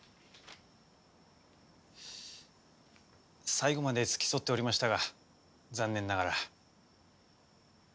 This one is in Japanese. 最期まで付き添っておりましたが残念ながら。